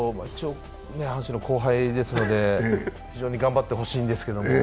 阪神の後輩ですので非常に頑張ってほしいんですけど。